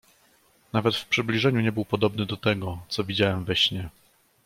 "Nawet w przybliżeniu nie był podobny do tego, co widziałem we śnie."